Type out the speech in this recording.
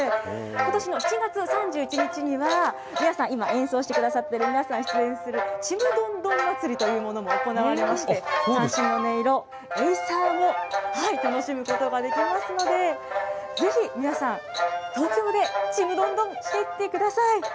ことしの日には、皆さん、今、演奏してくださってる、皆さん、出演する、ちむどんどん祭りというものも行われまして、三線の音色、えいさーも楽しむことができますので、ぜひ皆さん、東京で、ちむどんどんしていってください。